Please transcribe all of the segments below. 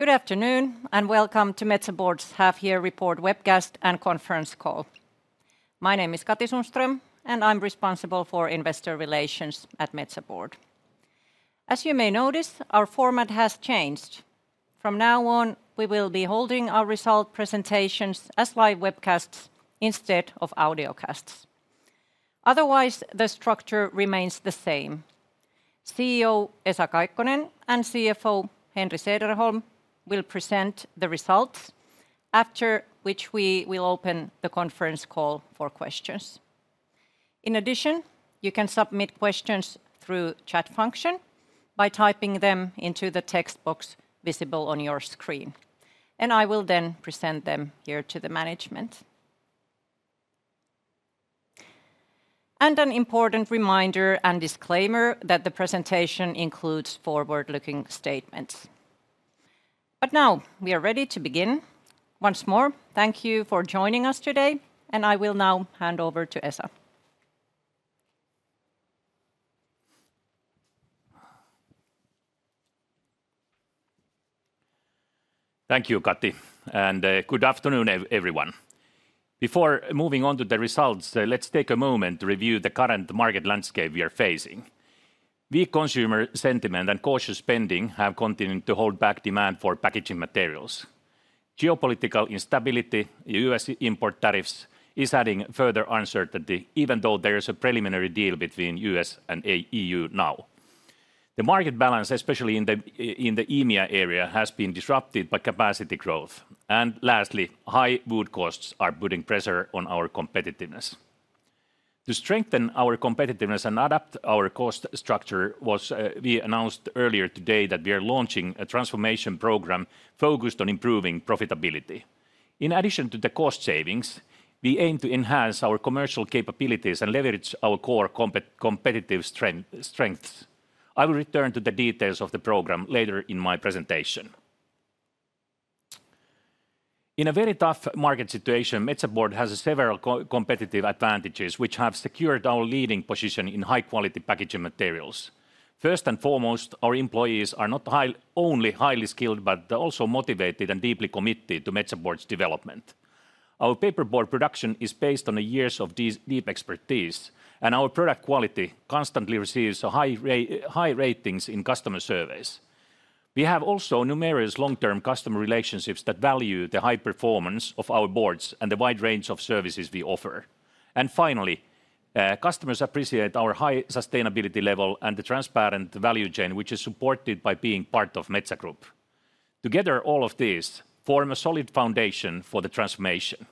Good afternoon and welcome to Metsä Board's half year report webcast and conference call. My name is Katri Sundström and I'm responsible for Investor Relations at Metsä Board. As you may notice, our format has changed. From now on, we will be holding our result presentations as live webcasts instead of audiocasts. Otherwise, the structure remains the same. CEO Esa Kaikkonen and CFO Henri Sederholm will present the results, after which we will open the conference call for questions. In addition, you can submit questions through the chat function by typing them into the text box visible on your screen and I will then present them here to the management. An important reminder and disclaimer that the presentation includes forward-looking statements. Now we are ready to begin once more. Thank you for joining us today and I will now hand over to Esa. Thank you Katri and good afternoon everyone. Before moving on to the results, let's take a moment to review the current market landscape we are facing. Weak consumer sentiment and cautious spending have continued to hold back demand for packaging materials. Geopolitical instability, U.S. import tariffs is adding further uncertainty. Even though there is a preliminary deal between U.S. and EU now, the market balance, especially in the EMEA area, has been disrupted by capacity growth, and lastly, high wood costs are putting pressure on our competitiveness. To strengthen our competitiveness and adapt our cost structure as we announced earlier today, we are launching a transformation program focused on improving profitability. In addition to the cost savings, we aim to enhance our commercial capabilities and leverage our core competitive strengths. I will return to the details of the program later in my presentation. In a very tough market situation, Metsä Board has several competitive advantages which have secured our leading position in high quality packaging materials. First and foremost, our employees are not only highly skilled but also motivated and deeply committed to Metsä Board's development. Our paperboard production is based on years of deep expertise, and our product quality constantly receives high ratings in customer service. We have also numerous long-term customer relationships that value the high performance of our boards and the wide range of services we offer. Finally, customers appreciate our high sustainability level and the transparent value chain which is supported by being part of Metsä Group. Together, all of these form a solid foundation for the transformation.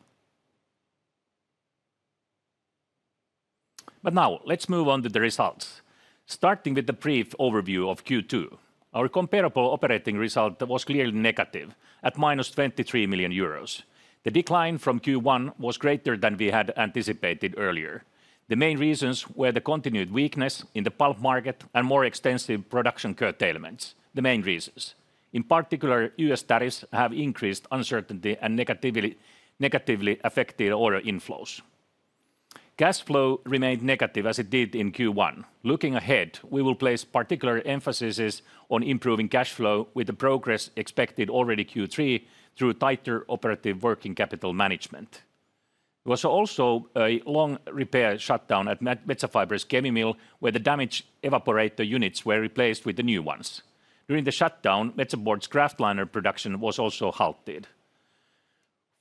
Now let's move on to the results, starting with a brief overview of Q2. Our comparable operating result was clearly negative at -23 million euros. The decline from Q1 was greater than we had anticipated earlier. The main reasons were the continued weakness in the pulp market and more extensive production curtailments. The main reasons in particular U.S. tariffs have increased uncertainty and negatively affected order inflows. Cash flow remained negative as it did in Q1. Looking ahead, we will place particular emphasis on improving cash flow with the progress expected already Q3 through tighter operative working capital management. There was also a long repair shutdown at Metsä Fibre's Kemi mill where the damaged evaporator units were replaced with new ones. During the shutdown, Metsä Board's kraftliner production was also halted.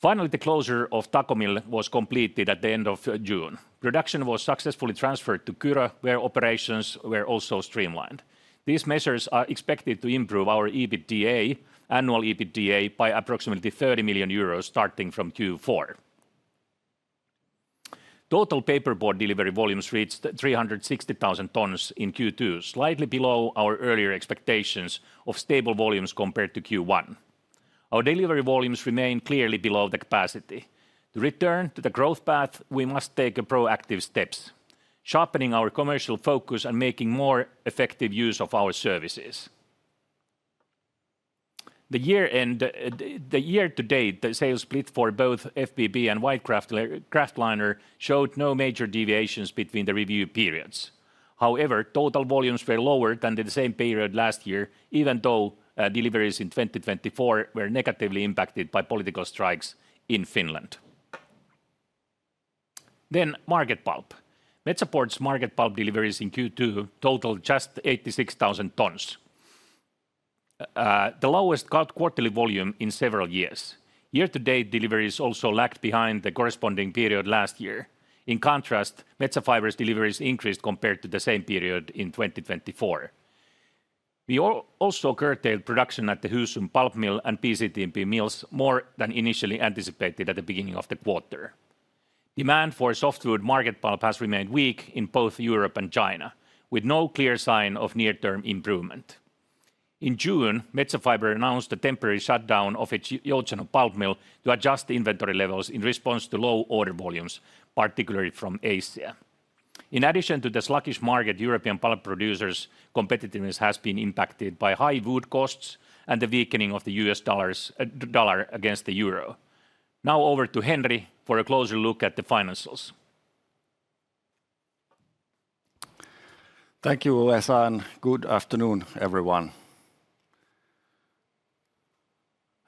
Finally, the closure of the Tako mill was completed at the end of June. Production was successfully transferred to Kyro where operations were also streamlined. These measures are expected to improve our annual EBITDA by approximately 30 million euros starting from Q4. Total paperboard delivery volumes reached 360,000 tonnes in Q2, slightly below our earlier expectations of stable volumes compared to Q1. Our delivery volumes remain clearly below the capacity to return to the growth path. We must take proactive steps, sharpening our commercial focus and making more effective use of our services. Year to date, the sales split for both folding boxboard and white kraftliners showed no major deviations between the review periods. However, total volumes were lower than the same period last year, even though deliveries in 2024 were negatively impacted by political strikes in Finland. Metsä Board's market pulp deliveries in Q2 totaled just 86,000 tonnes, the lowest quarterly volume in several years. Year to date deliveries also lagged behind the corresponding period last year. In contrast, Metsä Fibre's deliveries increased compared to the same period in 2024. We also curtailed production at the Husum pulp mill and BCTMP mills more than initially anticipated at the beginning of the quarter. Demand for softwood market pulp has remained weak in both Europe and China with no clear sign of near-term improvement. In June, Metsä Fibre announced a temporary shutdown of its Joutseno pulp mill to adjust inventory levels in response to low order volumes, particularly from Asia. In addition to the sluggish market, European pulp producers' competitiveness has been impacted by high wood costs and the weakening of the U.S. dollar against the Euro. Now over to Henri for a closer look at the financials. Thank you, Esa, and good afternoon, everyone.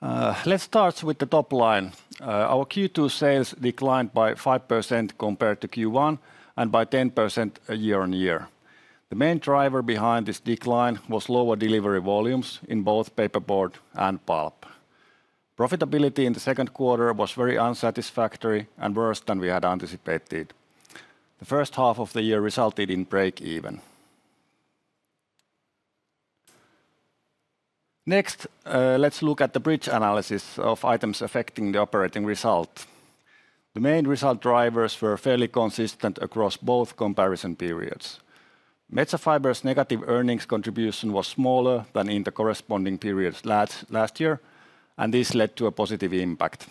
Let's start with the top line. Our Q2 sales declined by 5% compared to Q1 and by 10% year-on-year. The main driver behind this decline was lower delivery volumes in both paperboard and market pulp. Profitability in the second quarter was very unsatisfactory and worse than we had anticipated. The first half of the year resulted in break even. Next, let's look at the bridge analysis of items affecting the operating result. The main result drivers were fairly consistent across both comparison periods. Metsä Fibre's negative earnings contribution was smaller than in the corresponding periods last year, and this led to a positive impact.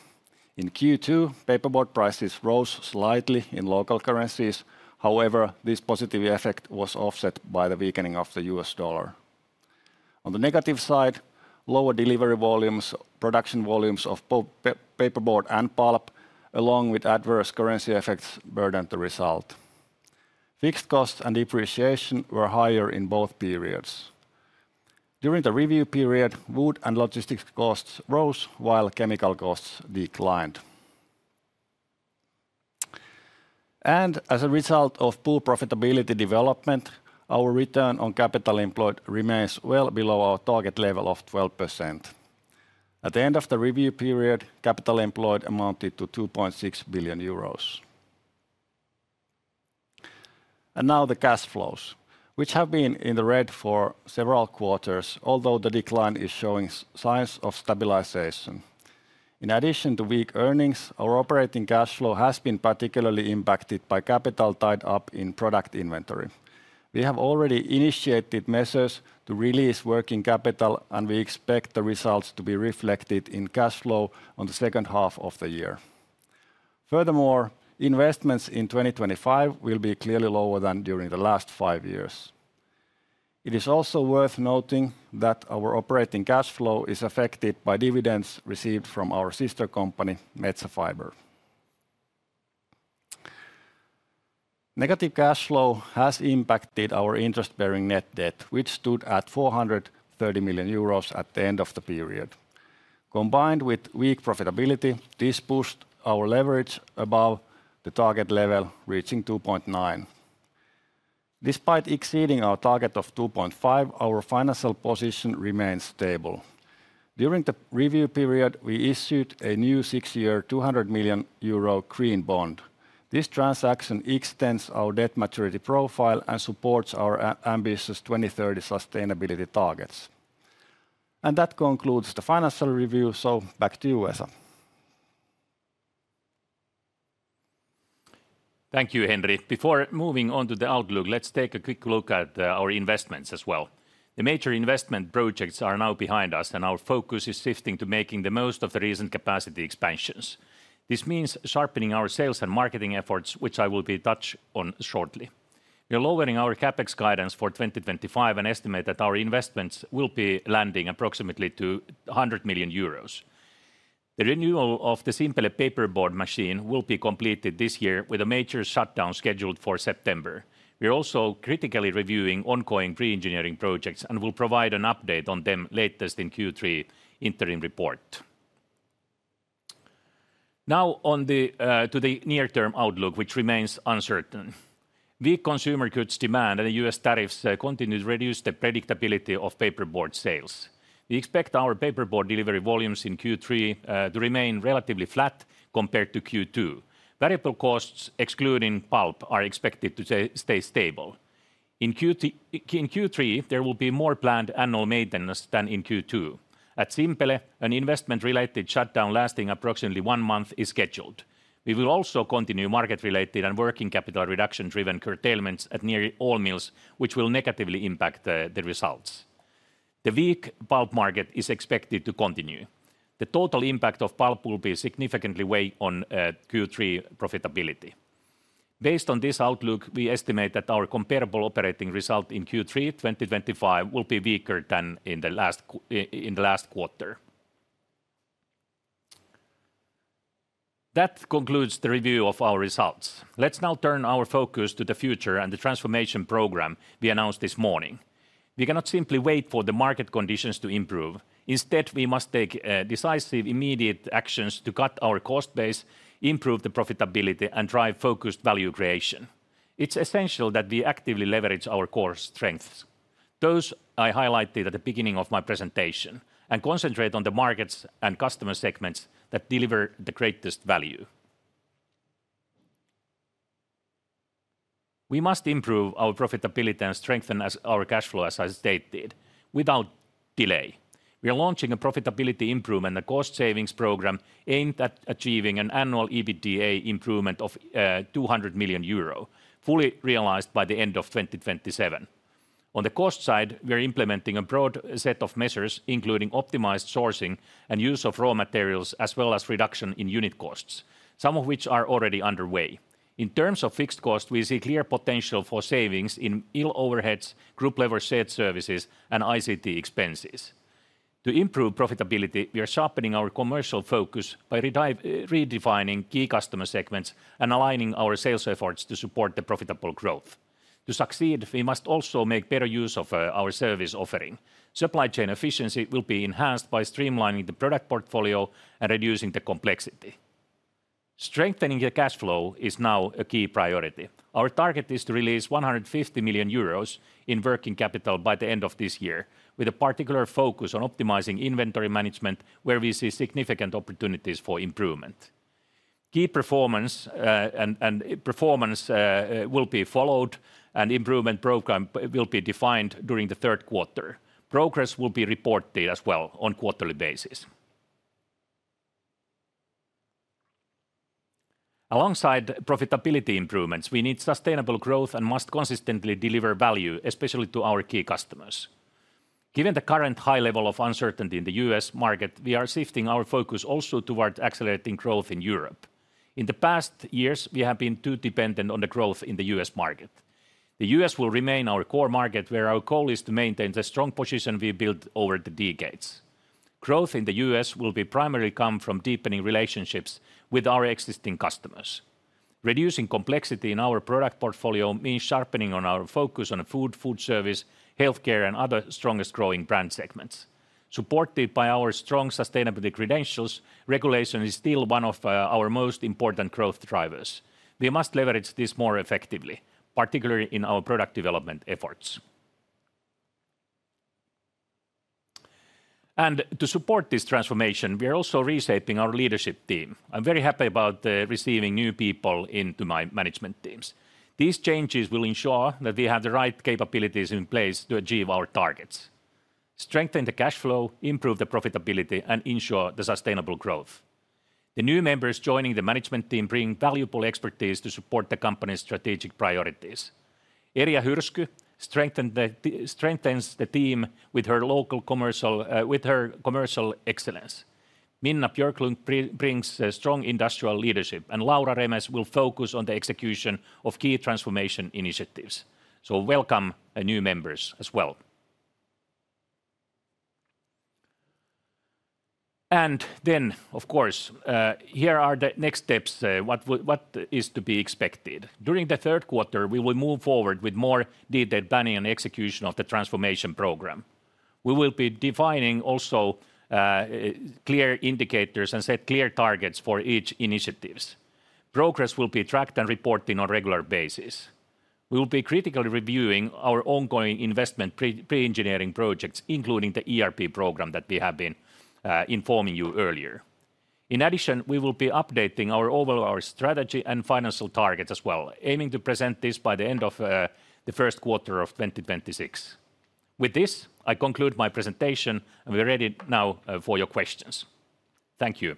In Q2, paperboard prices rose slightly in local currencies. However, this positive effect was offset by the weakening of the U.S. dollar. On the negative side, lower delivery volumes, production volumes of paperboard and market pulp, along with adverse currency effects, burdened the result. Fixed costs and depreciation were higher in both periods. During the review period, wood and logistics costs rose while chemical costs declined. As a result of poor profitability development, our return on capital employed remains well below our target level of 12%. At the end of the review period, capital employed amounted to 2.6 billion euros. Now the cash flows, which have been in the red for several quarters, although the decline is showing signs of stabilization. In addition to weak earnings, our operating cash flow has been particularly impacted by capital tied up in product inventory. We have already initiated measures to release working capital, and we expect the results to be reflected in cash flow in the second half of the year. Furthermore, investments in 2025 will be clearly lower than during the last five years. It is also worth noting that our operating cash flow is affected by dividends received from our sister company Metsä Fibre. Negative cash flow has impacted our interest-bearing net debt, which stood at 430 million euros at the end of the period. Combined with weak profitability, this pushed our leverage above the target level, reaching 2.9x. Despite exceeding our target of 2.5x, our financial position remains stable. During the review period, we issued a new 6-year 200 million euro green bond. This transaction extends our debt maturity profile and supports our ambitious 2030 sustainability targets. That concludes the financial review. Back to you, Esa. Thank you, Henri. Before moving on to the outlook, let's take a quick look at our investments as well. The major investment projects are now behind us, and our focus is shifting to making the most of the recent capacity expansions. This means sharpening our sales and marketing efforts, which I will touch on shortly. We are lowering our CapEx guidance for 2025 and estimate that our investments will be landing at approximately 100 million euros. The renewal of the simple paperboard machine will be completed this year, with a major shutdown scheduled for September. We are also critically reviewing ongoing pre-engineering projects and will provide an update on them latest in the Q3 interim report. Now on to the near-term outlook, which remains uncertain. Weak consumer goods demand and U.S. tariffs continue to reduce the predictability of paperboard sales. We expect our paperboard delivery volumes in Q3 to remain relatively flat compared to Q2. Variable costs excluding pulp are expected to stay stable. In Q3, there will be more planned annual maintenance than in Q2. At Simpele, an investment-related shutdown lasting approximately one month is scheduled. We will also continue market-related and working capital reduction-driven curtailments at nearly all mills, which will negatively impact the results. The weak pulp market is expected to continue. The total impact of pulp will be significantly weighed on Q3 profitability. Based on this outlook, we estimate that our comparable operating result in Q3 2025 will be weaker than in the last quarter. That concludes the review of our results. Let's now turn our focus to the future and the transformation program we announced this morning. We cannot simply wait for the market conditions to improve. Instead, we must take decisive, immediate actions to cut our cost base, improve the profitability, and drive focused value creation. It's essential that we actively leverage our core strengths, those I highlighted at the beginning of my presentation, and concentrate on the markets and customer segments that deliver the greatest value. We must improve our profitability and strengthen our cash flow. As I stated, without delay, we are launching a Profitability Improvement, a cost savings program aimed at achieving an annual EBITDA improvement of 200 million euro, fully realized by the end of 2026. On the cost side, we are implementing a broad set of measures including optimized sourcing and use of raw materials, as well as reduction in unit costs, some of which are already underway. In terms of fixed cost, we see clear potential for savings in all overheads, group level shared services, and ICT expenses. To improve profitability, we are sharpening our commercial focus by redefining key customer segments and aligning our sales efforts to support the profitable growth. To succeed, we must also make better use of our service offering. Supply chain efficiency will be enhanced by streamlining the product portfolio and reducing the complexity. Strengthening the cash flow is now a key priority. Our target is to release 150 million euros in working capital by the end of this year, with a particular focus on optimizing inventory management. Where we see significant opportunities for improvement, key performance will be followed and improvement program will be defined during the third quarter. Progress will be reported as well on a quarterly basis. Alongside profitability improvements, we need sustainable growth and must consistently deliver value, especially to our key customers. Given the current high level of uncertainty in the U.S. market, we are shifting our focus also towards accelerating growth in Europe. In the past years, we have been too dependent on the growth in the U.S. market. The U.S. will remain our core market where our goal is to maintain the strong position we built over the decades. Growth in the U.S. will primarily come from deepening relationships with our existing customers. Reducing complexity in our product portfolio means sharpening our focus on food, food service, healthcare, and other strongest growing brand segments supported by our strong sustainability credentials. Regulation is still one of our most important growth drivers. We must leverage this more effectively, particularly in our product development efforts. To support this transformation, we are also reshaping our leadership team. I'm very happy about receiving new people into my management teams. These changes will ensure that we have the right capabilities in place to achieve our targets, strengthen the cash flow, improve the profitability, and ensure the sustainable growth. The new members joining the management team bring valuable expertise to support the company's strategic priorities. Erja Hyrsky strengthens the team with her commercial excellence. Minna Björkman brings strong industrial leadership, and Laura Remes will focus on the execution of key transformation initiatives. Welcome new members as well. Here are the next steps. What is to be expected during the third quarter: we will move forward with more detailed planning and execution of the transformation program. We will be defining also clear indicators and set clear targets for each initiative. Progress will be tracked and reported on a regular basis. We will be critically reviewing our ongoing investment pre-engineering projects, including the ERP program that we have been informing you about earlier. In addition, we will be updating our overall strategy and financial targets as well, aiming to present this by the end of the first quarter of 2026. With this, I conclude my presentation, and we're ready now for your questions. Thank you.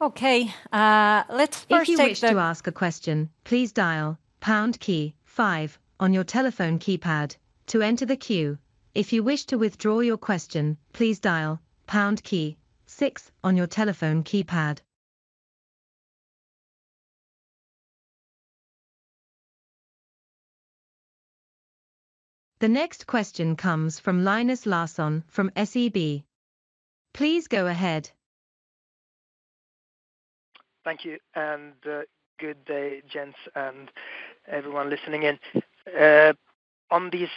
Okay, let's first If you wish to ask a question, please dial the pound key five on your telephone keypad to enter the queue. If you wish to withdraw your question, please dial key six on your telephone keypad. The next question comes from Linus Larsson from SEB. Please go ahead. Thank you and good day, gents and everyone listening in on these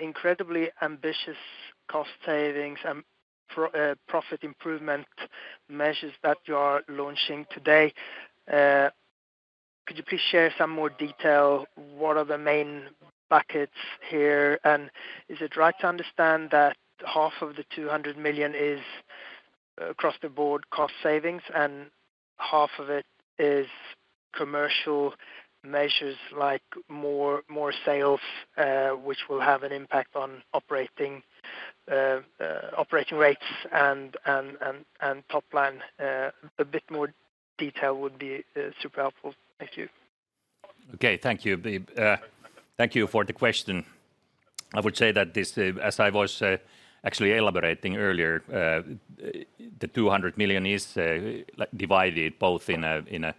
incredibly ambitious cost savings and profit improvement measures that you are launching today. Could you please share some more detail? What are the main buckets here, and is it right to understand that half of the 200 million is across the board cost savings and half of it is commercial measures like more sales, which will have an impact on operating rates and top line? A bit more detail would be super helpful. Thank you. Okay, thank you. Thank you for the question. I would say that as I was actually elaborating earlier, the 200 million is divided both in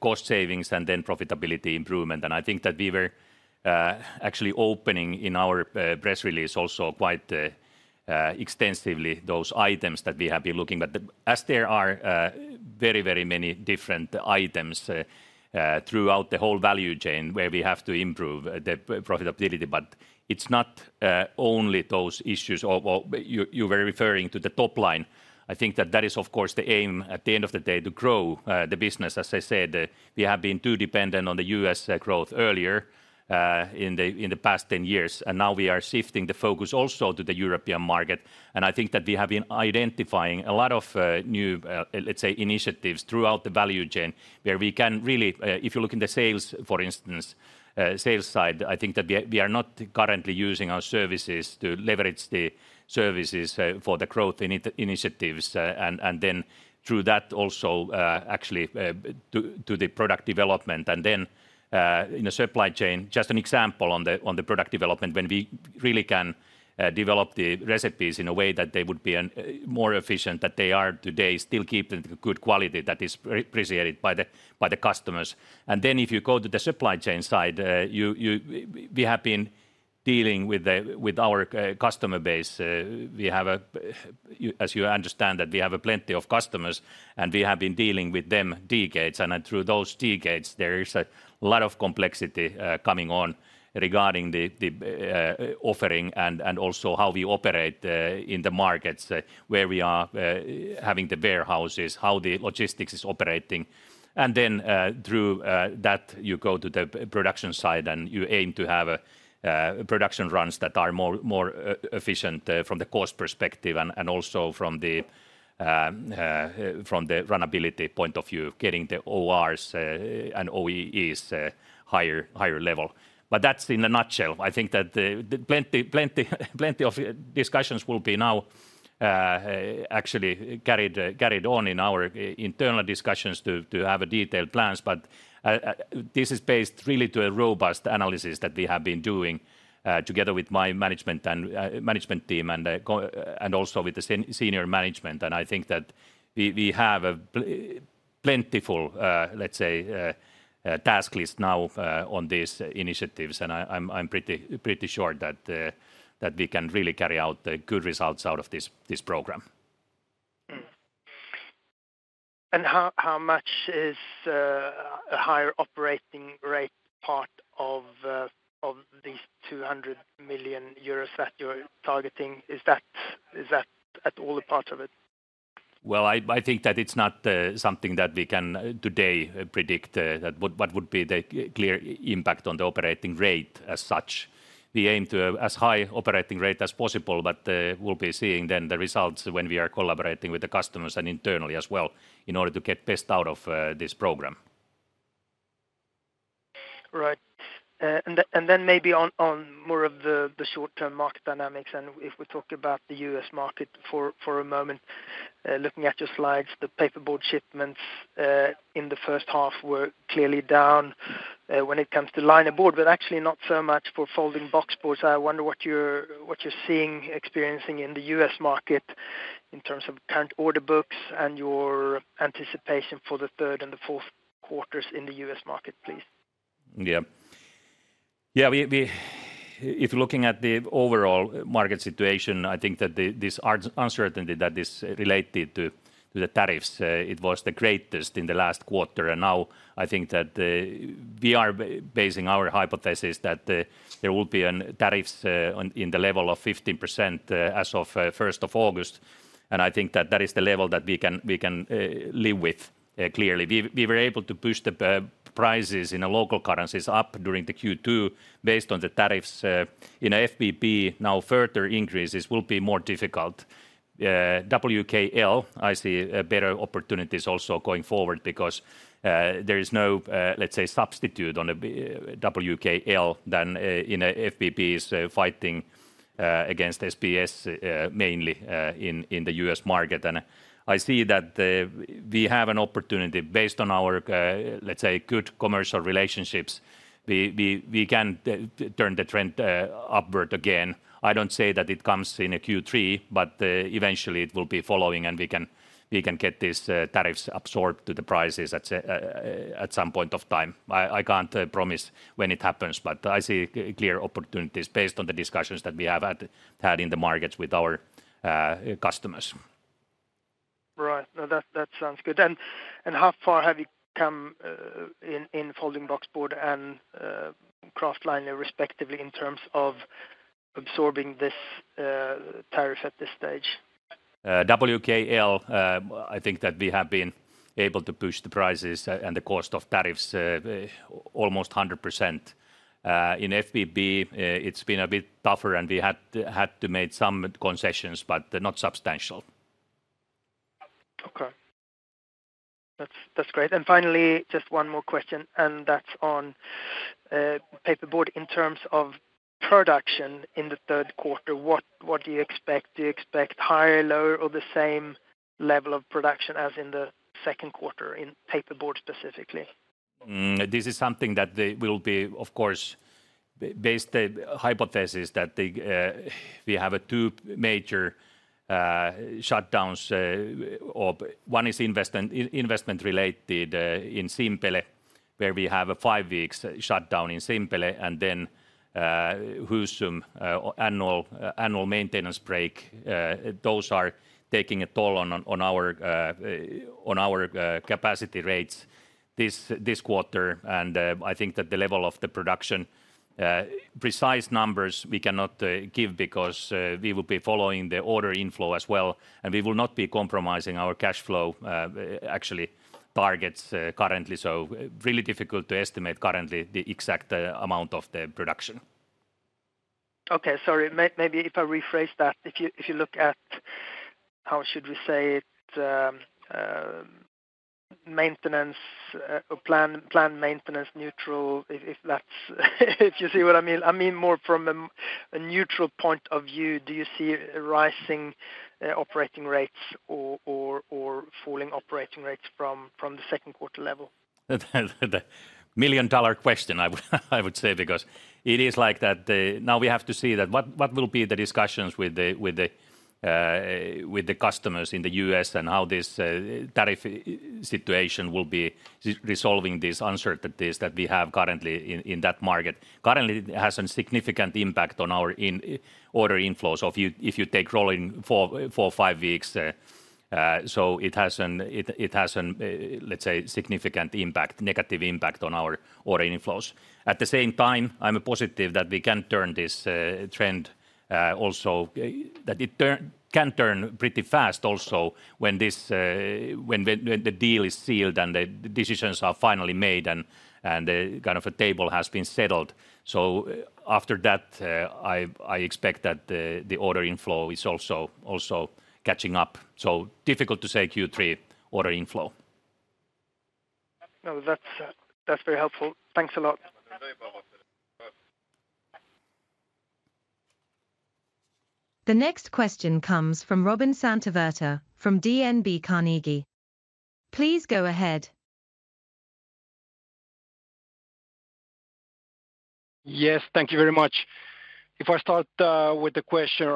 cost savings and then profitability improvement. I think that we were actually opening in our press release also quite extensively those items that we have been looking at, as there are very, very many different items throughout the whole value chain where we have to improve the profitability. It's not only those issues. You were referring to the top line. I think that is of course the aim at the end of the day, to grow the business. As I said, we have been too dependent on the U.S. growth earlier in the past 10 years, and now we are shifting the focus also to the European market. I think that we have been identifying a lot of new, let's say, initiatives throughout the value chain where we can really, if you look in the sales, for instance, sales side, I think that we are not currently using our services to leverage, provide the services for the growth initiatives. Through that also actually to the product development and then in the supply chain, just an example on the product development, when we really can develop the recipes in a way that they would be more efficient than they are today, still keep the good quality that is appreciated by the customers. If you go to the supply chain side, we have been dealing with our customer base, as you understand that we have plenty of customers and we have been dealing with them decades. Through those decades, there is a lot of complexity coming on regarding the offering and also how we operate in the markets where we are having the warehouses, how the logistics is operating. Through that, you go to the production side and you aim to have production runs that are more efficient from the cost perspective and also from the runnability point of view, getting the ORs and OEEs higher level. That's in a nutshell. I think that plenty of discussions will be now actually carried on in our internal discussions to have detailed plans. This is based really on a robust analysis that we have been doing together with my management team and also with the senior management. I think that we have plentiful, let's say, task list now on these initiatives. I'm pretty sure that we can really carry out good results out of this program. How much is a higher operating rate part of these 200 million euros that you're targeting? Is that at all a part of it? I think that it's not something that we can today predict what would be the clear impact on the operating rate as such. We aim to have as high operating rate as possible, but we'll be seeing the results when we are collaborating with the customers and internally as well, in order to get best out of this program. Right. Maybe on more of the short-term market dynamics, if we talk about the U.S. market for a moment, looking at your slides, the paperboard shipments in the first half were clearly down when it comes to linerboard, but actually not so much for folding boxboard. I wonder what you're seeing and experiencing in the U.S. market in terms of current order books and your anticipation for the third and the fourth quarters in the U.S. market. Please. If you're looking at the overall market situation, I think that this uncertainty that is related to the tariffs, it was the greatest in the last quarter. I think that we are basing our hypothesis that there will be tariffs in the level of 15% as of 1st of August. I think that that is the level that we can live with. Clearly we were able to push the prices in local currencies up during Q2 based on the tariffs in FBB. Further increases will be more difficult. WKL, I see better opportunities also going forward because there is no, let's say, substitute on a WKL than in FBB, fighting against SBS mainly in the U.S. market. I see that we have an opportunity based on our, let's say, good commercial relationships. We can turn the trend upward. Again, I don't say that it comes in Q3, but eventually it will be following and we can get these tariffs absorbed to the prices at some point of time. I can't promise when it happens, but I see clear opportunities based on the discussions that we have had in the markets with our customers. Right, that sounds good. How far have you come in folding boxboard and kraftliner respectively in terms of absorbing this tariff at this stage? I think that we have been able to push the prices and the cost of tariffs almost 100% in FBB. It's been a bit tougher and we have had to make some concessions, but they're not substantial. That's great. Finally, just one more question and that's on paperboard. In terms of production in the third quarter, what do you expect? Do you expect higher, lower, or the same level of production as in the second quarter in paperboard specifically? Something that will be of course based hypothesis that we have two major shutdowns. One is investment related in Simpele where we have a five weeks shutdown in Simpele, and then Husum annual maintenance break. Those are taking a toll on our capacity rates this quarter. I think that the level of the production precise numbers we cannot give because we will be following the order inflow as well, and we will not be compromising our cash flow targets currently. Really difficult to estimate currently the exact amount of the production. Sorry, maybe if I rephrase that. If you look at, how should we say it, maintenance plan, maintenance neutral. If you see what I mean. I mean more from a neutral point of view, do you see rising operating rates or falling operating rates from the second quarter level? The million dollar question, I would say, because it is like that now we have to see what will be the discussions with the customers in the U.S. and how this tariff situation will be resolving these uncertainties that we have currently in that market. Currently, it has a significant impact on our order inflow. If you take rolling for four or five weeks, it has, let's say, significant impact, negative impact on our order inflows. At the same time, I'm positive that we can turn this trend also, that it can turn pretty fast also when the deal is sealed and the decisions are finally made and kind of a table has been settled. After that, I expect that the order inflow is also catching up. Difficult to say Q3 order inflow. No, that's very helpful. Thanks a lot. The next question comes from Robin Santavirta from DNB Carnegie. Please go ahead. Yes, thank you very much. If I start with the question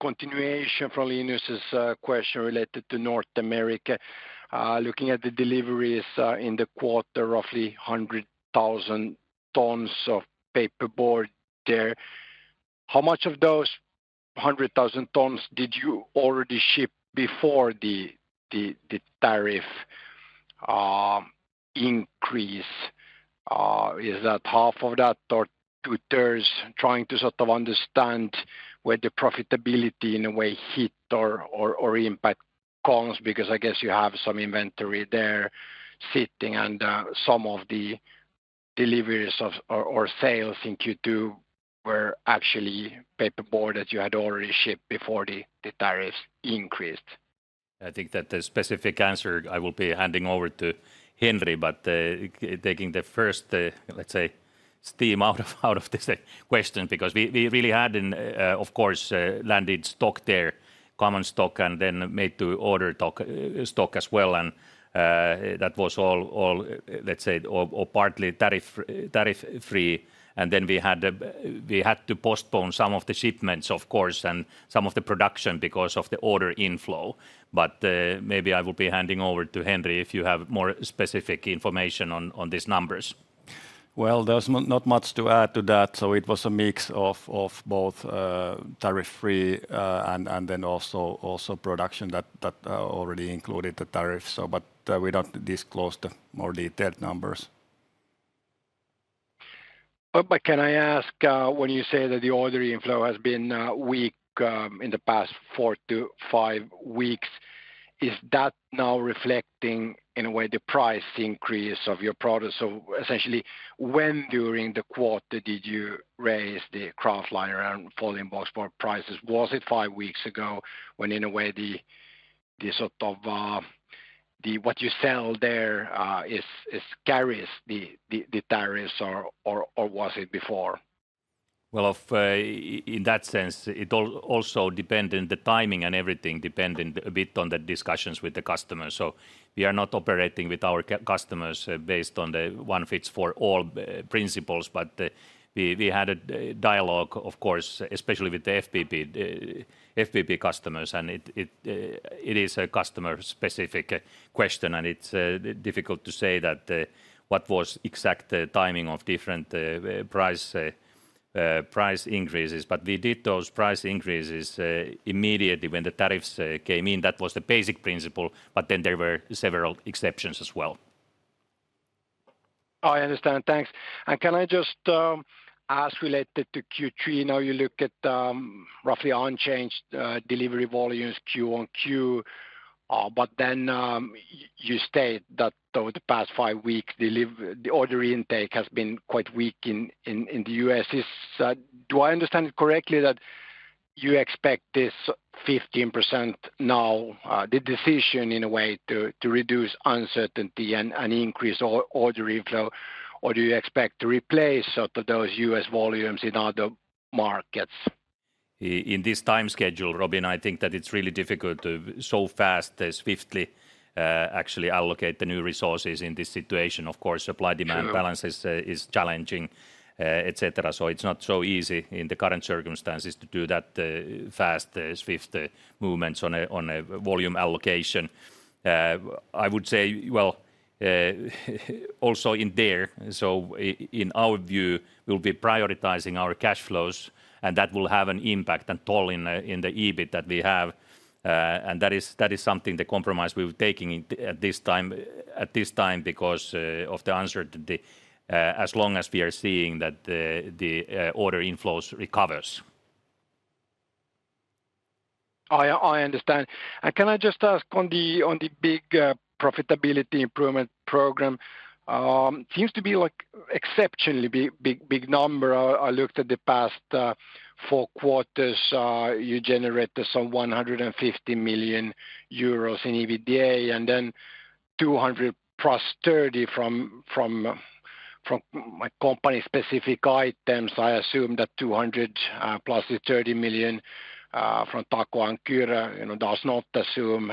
continuation from Linus's question related to North America, looking at the deliveries in the quarter, roughly 100,000 tons of paperboard there, how much of those 100,000 tons did you already ship before the tariff increase? Is that half of that or 2/3? Trying to sort of understand where the profitability in a way hit or impact comes because I guess you have some inventory there sitting under. Some of the deliveries or sales in Q2 were actually paperboard that you had already shipped before the tariffs increased. I think that the specific answer I will be handing over to Henri, but taking the first, let's say steam out of this question because we really had, of course, landed stock there, common stock, and then made to order stock as well. That was all, let's say, partly tariff free. We had to postpone some of the shipments, of course, and some of the production because of the order inflow. Maybe I will be handing over to Henri if you have more specific information on these numbers. There is not much to add to that. It was a mix of both tariff free and also production that already included the tariffs, but we do not disclose the more detailed numbers. Can I ask when you say that the ordering inflow has been weak in the past four to five weeks, is that now reflecting in a way the price increase of your products? Essentially, when during the quarter did you raise the kraftliner around folding boxboard prices? Was it five weeks ago when in a way what you sell there carries the tariffs, or was it before? In that sense, it also depended on the timing and everything depended a bit on the discussions with the customer. We are not operating with our customers based on the one fits for all principles. We had a dialogue, of course, especially with the FPP customers. It is a customer-specific question and it's difficult to say what was the exact timing of different price increases. We did those price increases immediately when the tariffs came in. That was the basic principle. There were several exceptions as well. I understand. Thanks. Can I just, as related to Q3, now you look at roughly unchanged delivery volumes Q1 Q, but then you state that over the past five weeks the order intake has been quite weak in the U.S. Do I understand it correctly that you expect this 15% now, the decision in a way to reduce uncertainty and increase order inflow, or do you expect to replace those U.S. volumes in other markets? In this time schedule? Robin, I think that it's really difficult to so fast swiftly actually allocate the new resources in this situation. Of course, supply-demand balance is challenging, et cetera. It's not so easy in the current circumstances to do that fast swift movements on a volume allocation, I would say, also in there. In our view, we'll be prioritizing our cash flows, and that will have an impact and toll in the EBIT that we have. That is something, the compromise we were taking at this time because of the answer. As long as we are seeing that the order inflows recovers. I understand. Can I just ask on the big profitability improvement program? It seems to be an exceptionally big number. I looked at the four quarters. You generated some 150 million euros in EBITDA and then 200 million+EUR 30 million from company specific items. I assume that 200 million+EUR 30 million from Tako and Kyro does not assume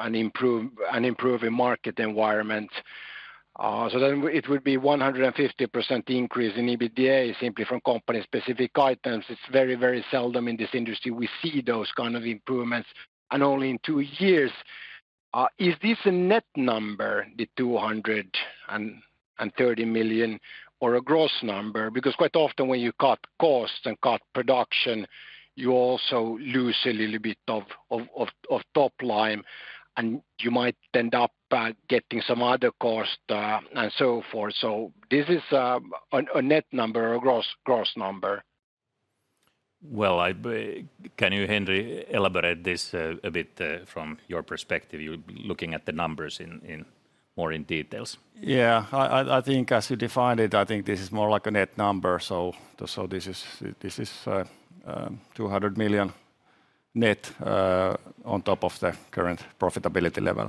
an improving market environment. It would be a 150% increase in EBITDA simply from company specific items. It's very, very seldom in this industry we see those kind of improvements, and only in two years. Is this a net number, the 230 million, or a gross number? Because quite often when you cut costs and cut production, you also lose a little bit of top line and you might end up getting some other cost and so forth. Is this a net number or gross number? Henry, can you elaborate this a bit from your perspective? You're looking at the numbers more in detail. I think as you define it, I think this is more like a net number. This is 200 million net on top of the current profitability level.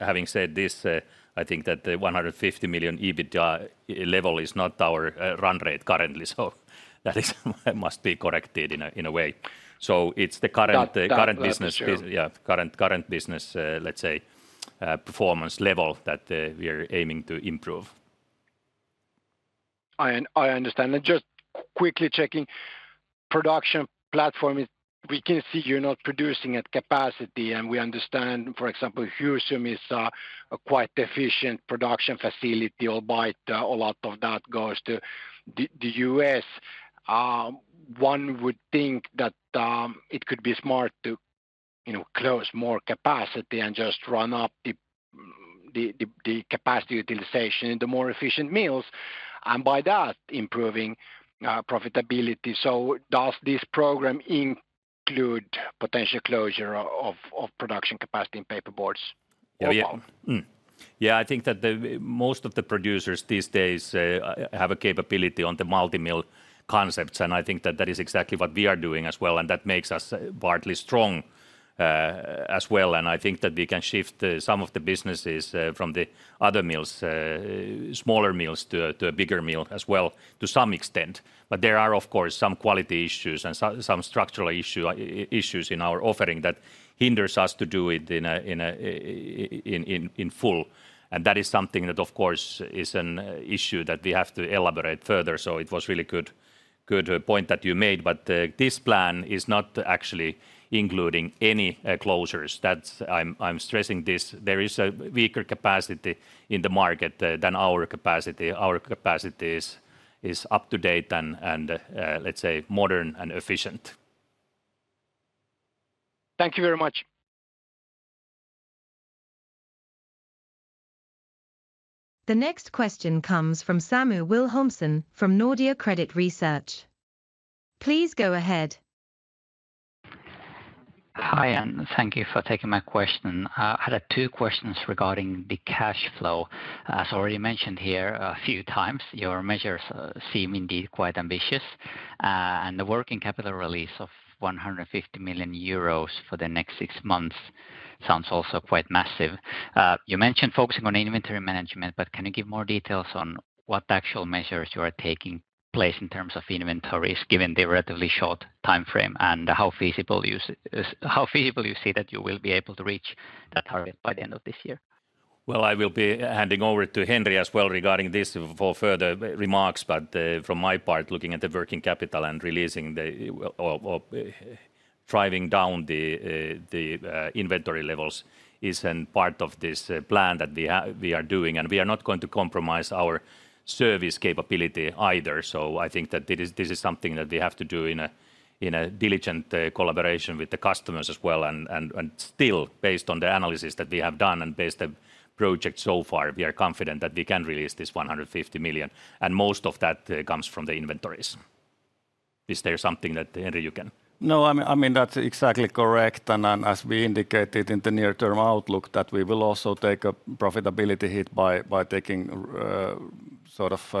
Having said this, I think that the 150 million EBITDA level is not our run rate currently. That must be correct in a way. It's the current business, current business, let's say, performance level that we are aiming to improve. I understand. Just quickly checking the production platform, we can see you're not producing at capacity and we understand, for example, Joutseno is a quite efficient production facility, albeit a lot of that goes to the U.S. One would think that it could be smart to close more capacity and just run up the capacity utilization at the more efficient mills and by that improving profitability. Does this program include potential closure of production capacity in paperboards? Yeah, I think that most of the producers these days have a capability on the multi mill concepts. I think that that is exactly what we are doing as well, and that makes us partly strong as well. I think that we can shift some of the businesses from the other mills, smaller mills, to a bigger mill as well to some extent. There are of course some quality issues and some structural issues in our offering that hinders us to do it in full. That is something that of course is an issue that we have to elaborate further. It was really good, good point that you made. This plan is not actually including any closures. I'm stressing this. There is a weaker capacity in the market than our capacity. Our capacity is up to date and let's say modern and efficient. Thank you very much. The next question comes from Samu Wilhelmsson from Nordea Credit Research. Please go ahead. Hi and thank you for taking my question. I had two questions regarding the cash flow. As already mentioned here a few times, your measures seem indeed quite ambitious and the working capital release of 150 million euros for the next six months sounds also quite massive. You mentioned focusing on inventory management, but can you give more details on what actual measures you are taking in terms of inventories, given the relatively short time frame and how feasible you see that you will be able to reach that target by the end of this year? I will be handing over to Henri as well regarding this for further remarks. From my part, looking at the working capital and releasing the driving down the inventory levels is part of this plan that we are doing and we are not going to compromise our service capability either. I think that this is something that we have to do in a diligent collaboration with the customers as well. Still, based on the analysis that we have done and based on the project so far, we are confident that we can release this 150 million and most of that comes from the inventories. Is there something that Henri, you can. No, I mean that's exactly correct. As we indicated in the near term outlook, we will also take a profitability hit by taking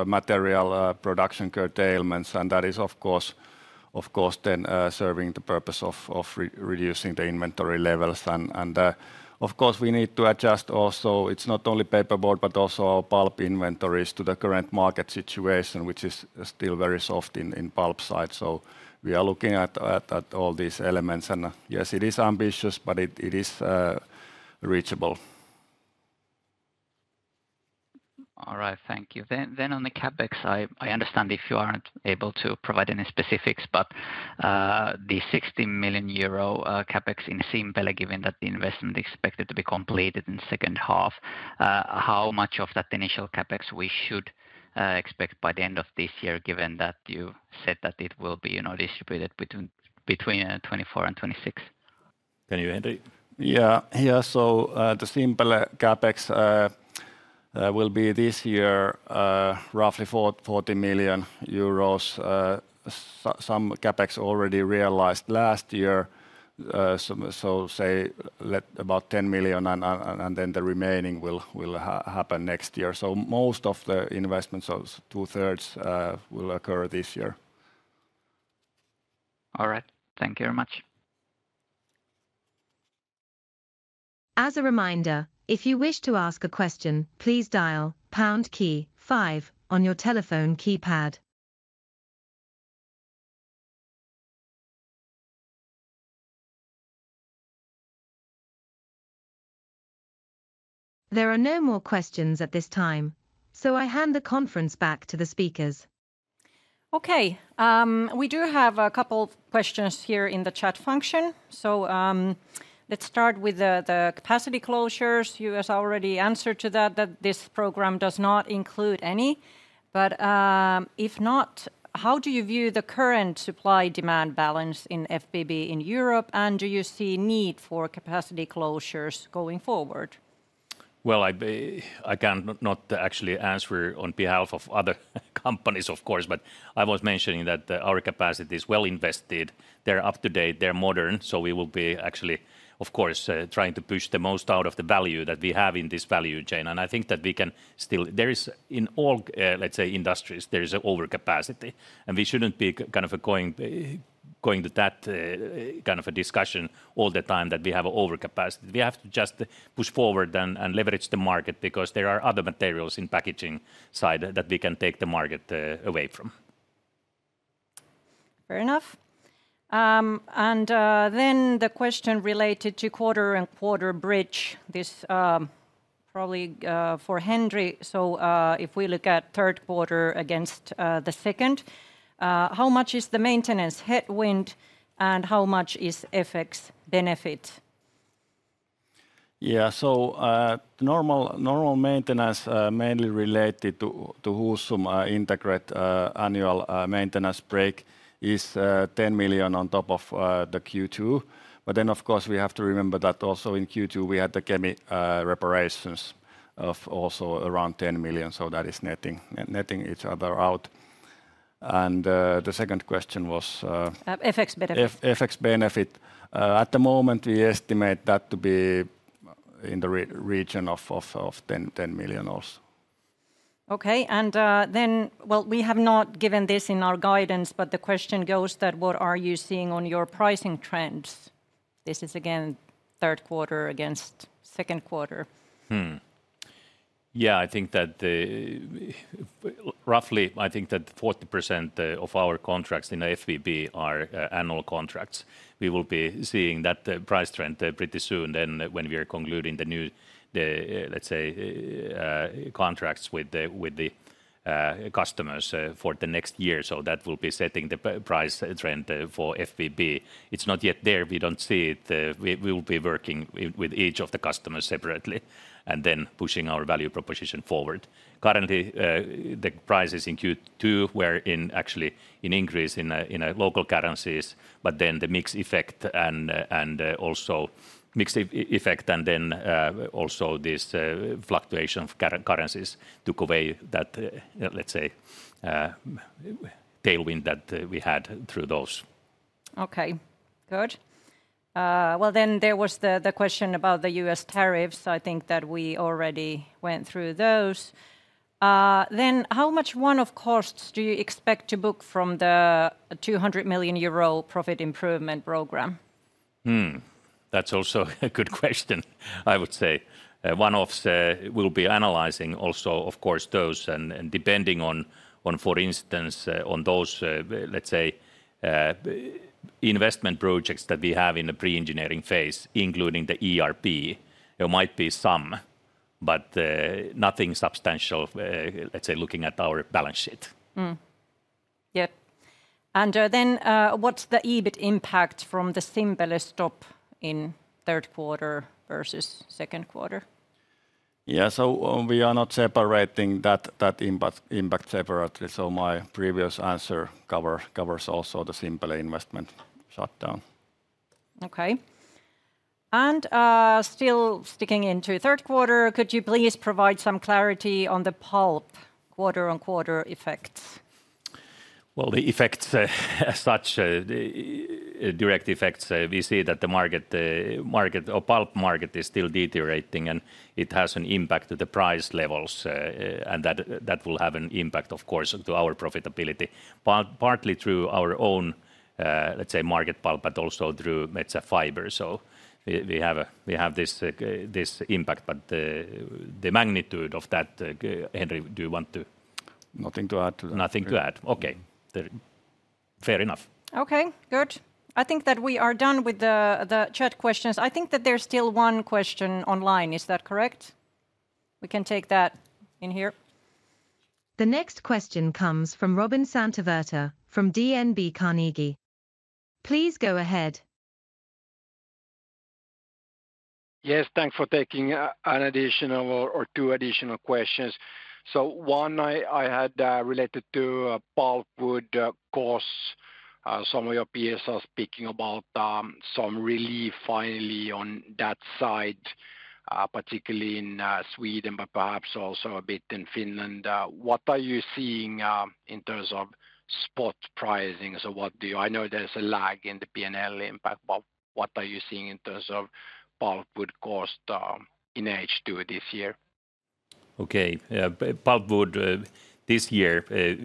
material production curtailments. That is, of course, serving the purpose of reducing the inventory levels. We need to adjust not only paperboard but also our pulp inventories to the current market situation, which is still very soft on the pulp side. We are looking at all these elements, and yes, it is ambitious, but it is reachable. All right, thank you. On the CapEx, I understand if you aren't able to provide any specifics, but the 60 million euro CapEx in Sempelle, given that the investment is expected to be completed in the second half, how much of that initial CapEx should we expect by the end of this year? Given that you said that it will be distributed between 2024 and 2026. Can you, Henri? Yeah, so the simple CapEx will be this year roughly 40 million euros. Some CapEx already realized last year, so say about 10 million, and then the remaining will happen next year. Most of the investments of 2/3 will occur this year. All right, thank you very much. As a reminder, if you wish to ask a question, please dial on your telephone keypad. There are no more questions at this time, so I hand the conference back to the speakers. Okay, we do have a couple questions here in the chat function. Let's start with the capacity closures. You guys already answered to that, that this program does not include any. If not, how do you view the current supply demand balance in folding boxboard in Europe and do you see need for capacity closures going forward? I cannot actually answer on behalf of other companies of course, but I was mentioning that our capacity is well invested, they're up to date, they're modern. We will be actually of course trying to push the most out of the value that we have in this value chain. I think that we can still, there is in all let's say industries, there is overcapacity and we shouldn't be kind of going to that kind of a discussion all the time that we have overcapacity. We have to just push forward and leverage the market because there are other materials in packaging side that we can take the market away from. Fair enough. The question related to quarter-on-quarter bridge is probably for Henri. If we look at third quarter against the second, how much is the maintenance headwind and how much is FX benefit? Yeah, so normal maintenance mainly related to Husum integrated annual maintenance break is 10 million on top of the Q2. Of course, we have to remember that also in Q2 we had the Kemi reparations of also around 10 million, so that is netting each other out. The second question was FX benefit; at the moment we estimate that to be in the region of 10 million also. Okay, we have not given this in our guidance, but the question goes that what are you seeing on your pricing trends? This is again third quarter against second quarter. I think that roughly 40% of our contracts in February are annual contracts. We will be seeing that price trend pretty soon when we are concluding contracts with the customers for the next year. That will be setting the price trend for FBB. It's not yet there. We don't see it. We will be working with each of the customers separately and pushing our value proposition forward. Currently, the prices in Q2 were actually an increase in local currencies, but then the mix effect and also this fluctuation of currency conveyed that tailwind that we had through those. Okay, good. There was the question about the U.S. tariffs. I think that we already went through those. How much one-off costs do you expect to book from the 200 million euro profit improvement program? That's also a good question. I would say one-offs, we'll be analyzing also, of course, those and depending on, for instance, on those, let's say, investment projects that we have in the pre-engineering phase, including the ERP. There might be some, but nothing substantial. Let's say, looking at our balance sheet. What's the EBIT impact from the symbol stop in third quarter versus second quarter? Yeah, we are not separating that impact separately. My previous answer covers also the simple maintenance shutdown. Okay. Still sticking into third quarter, could you please provide some clarity on the pulp quarter-on-quarter effects? The effects as such, direct effects. We see that the market pulp market is still deteriorating and it has an impact on the price levels. That will have an impact of course on our profitability, partly through our own, let's say, market pulp, but also through Metsä Fibre. We have this impact, but the magnitude of that. Henry, do you want to. Nothing to add to that? Nothing to add. Okay, fair enough. Okay, good. I think that we are done with the chat questions. I think that there's still one question online, is that correct? We can take that in here. The next question comes from Robin Santavirta from DNB Carnegie. Please go ahead. Yes, thanks for taking an additional or two additional questions. One I had related to pulpwood costs. Some of your peers are speaking about some relief finally on that side, particularly in Sweden, but perhaps also a bit in Finland. What are you seeing in terms of spot pricing? I know there's a lag in the P&L impact, but what are you seeing in terms of pulpwood cost in H2 this year? Okay, pulpwood this year we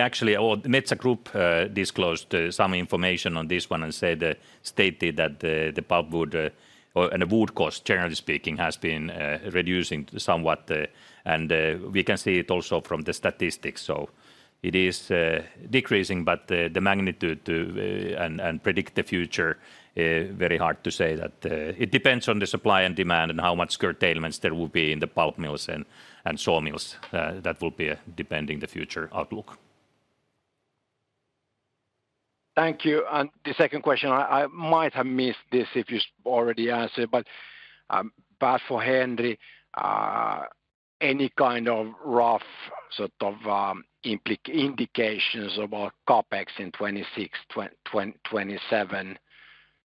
actually or the Metsä Board disclosed some information on this one and stated that the pulpwood and the wood cost generally speaking has been reducing somewhat and we can see it also from the statistics. It is decreasing. The magnitude and predict the future, very hard to say that it depends on the supply and demand and how much curtailments there will be in the pulp mills and sawmills that will be depending the future outlook. Thank you. The second question, I might have missed this if you already answered, but for Henri, any kind of rough sort of indications about CapEx in 2026, 2027,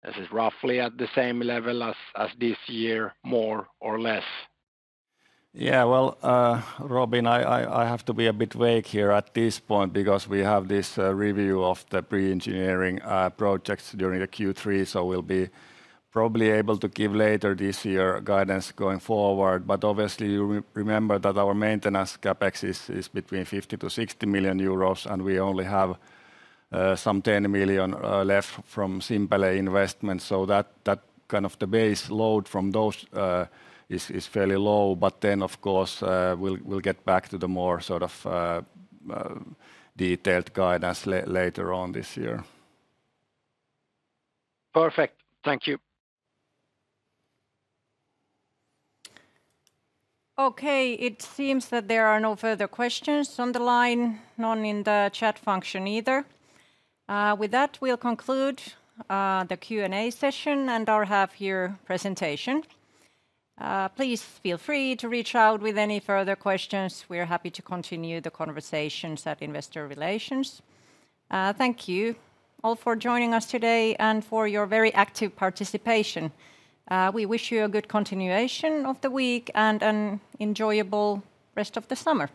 is this roughly at the same level as this year, more or less. Robin, I have to be a bit vague here at this point because we have this review of the pre-engineering projects, the Q3, so we'll probably be able to give later this year guidance going forward. Obviously, you remember that our maintenance CapEx is between 50 million-60 million euros and we only have some 10 million left from simple A investment. That kind of the base load from those is fairly low. Of course, we'll get back to the more sort of detailed guidance later on this year. Perfect, thank you. Okay, it seems that there are no further questions on the line. None in the chat function either. With that, we'll conclude the Q&A session and our half year presentation. Please feel free to reach out with any further questions. We're happy to continue the conversations at Investor Relations. Thank you all for joining us today and for your very active participation. We wish you a good continuation of the week and an enjoyable rest of the summer.